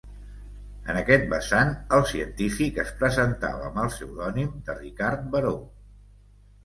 En aquest vessant, el científic es presentava amb el pseudònim de Ricard Baró.